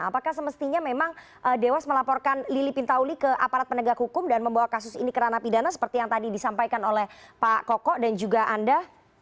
apakah semestinya memang dewas melaporkan lili pintauli ke aparat penegak hukum dan membawa kasus ini ke ranah pidana seperti yang tadi disampaikan oleh pak koko dan juga anda